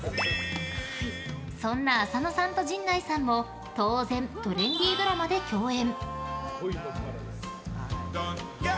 そんな浅野さんと陣内さんも当然トレンディードラマで共演。